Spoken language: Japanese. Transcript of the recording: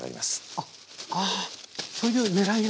あっあそういうねらいが！